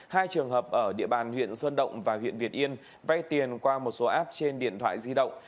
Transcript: hai trường hợp ở địa bàn huyện sơn động và huyện việt yên vay tiền qua một số app trên điện thoại di động